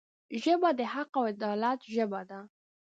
ژبه د حق او عدالت ژبه ده